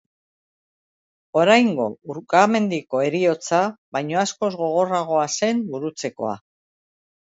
Oraingo urkamendiko heriotza baino askoz gogorragoa zen gurutzekoa.